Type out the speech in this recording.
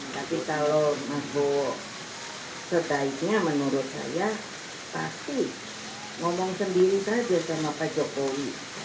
tapi kalau mas bowo setaiknya menurut saya pasti ngomong sendiri saja sama pak jokowi